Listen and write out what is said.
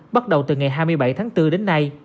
bắt đầu từ ngày hai mươi bảy tháng bốn đến nay